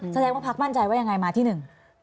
แสดงว่าพักมั่นใจว่ายังไงมาที่หนึ่ง